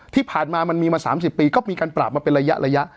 ที่ผ่านมามันมีมาสามสิบปีก็มีการปราบมาเป็นระยะระยะ